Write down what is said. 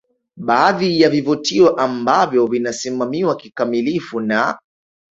Baadhi ya vivutio ambavyo vinasimamiwa kikamilifu na